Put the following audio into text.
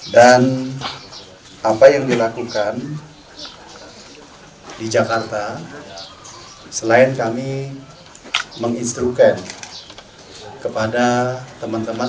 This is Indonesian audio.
dan apa yang dilakukan di jakarta selain kami menginstrukan kepada teman teman